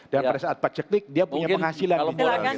dan pada saat paceklik dia punya penghasilan